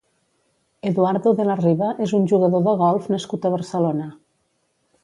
Eduardo de la Riva és un jugador de golf nascut a Barcelona.